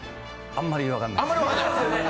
あんまり分かんないです。